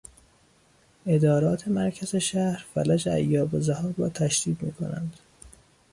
ادارات مرکز شهر فلج ایاب و ذهاب را تشدید میکنند.